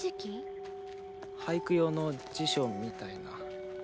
俳句用の辞書みたいな。